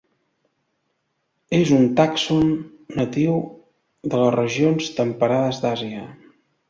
És un tàxon natiu de les regions temperades d'Àsia.